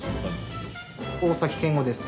大健吾です。